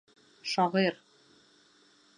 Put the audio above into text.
Шағир!